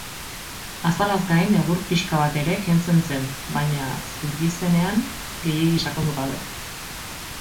Azalaz gain, egur pixka bat ere kentzen zen, baina zurgizenean gehiegi sakondu gabe.